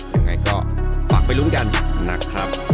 ยังไงก็ฝากไปลุ้นกันนะครับ